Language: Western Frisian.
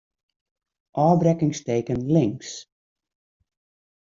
Ofbrekkingsteken links.